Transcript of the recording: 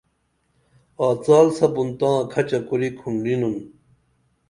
آڅال سپُون تاں کھچہ کُری کُھنڈِنُن